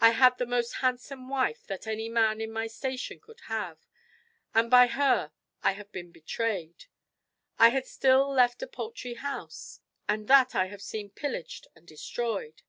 I had the most handsome wife that any man in my station could have; and by her I have been betrayed. I had still left a paltry house, and that I have seen pillaged and destroyed.